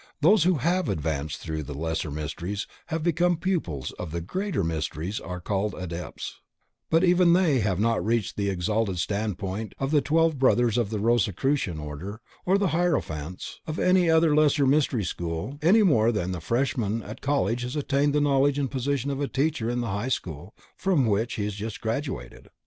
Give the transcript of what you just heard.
Those who have advanced through the lesser Mysteries and have become pupils of the Greater Mysteries are called Adepts, but even they have not reached the exalted standpoint of the twelve Brothers of the Rosicrucian Order or the Hierophants of any other lesser Mystery School any more than the freshman at college has attained to the knowledge and position of a teacher in the High school from which he has just graduated.